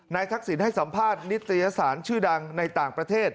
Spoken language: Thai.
ทักษิณให้สัมภาษณ์นิตยสารชื่อดังในต่างประเทศ